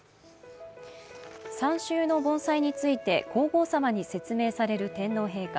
サンシュユの盆栽について皇后さまに説明される天皇陛下。